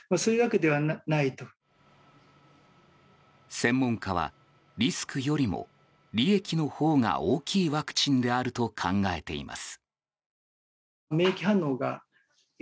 専門家はリスクよりも利益のほうが大きいワクチンであると考えています。